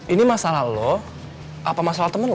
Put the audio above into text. ini masalah lo apa masalah temen lo